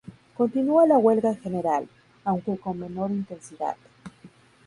Continúa la huelga general, aunque con menor intensidad.